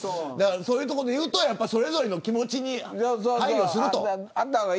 そういうところでいうとそれぞれの気持ちに配慮すると。